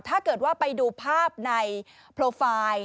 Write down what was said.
ถ้าเกิดว่าไปดูภาพในโปรไฟล์